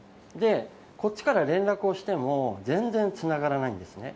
こっちから連絡をしても、全然つながらないんですね。